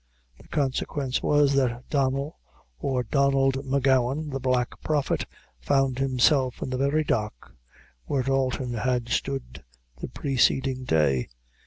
The consequence was, that Donnel, or Donald M'Gowan, the Black Prophet, found himself in the very dock where Dalton had stood the preceding day.